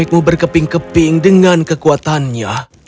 aku ingin dia menemukan keping keping dengan kekuatannya